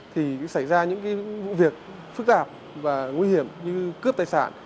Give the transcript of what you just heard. thì xảy ra những vụ việc phức tạp và nguy hiểm như cướp tài sản